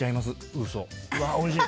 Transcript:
うわ、おいしい。